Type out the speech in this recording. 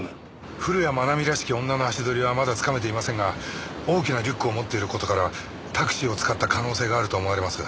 古谷愛美らしき女の足取りはまだつかめていませんが大きなリュックを持っている事からタクシーを使った可能性があると思われます。